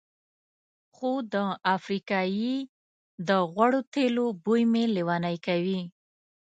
خو د افریقایي د غوړو تېلو بوی مې لېونی کوي.